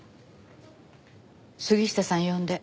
杉下さん呼んで。